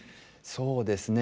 そうですね。